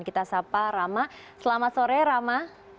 kita sapa rama selamat sore rama